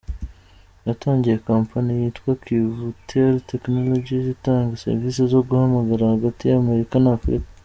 Natangiye company yitwa Kivutel Technologies itanga services zo guhamagara hagati y’Amerika na Afurika.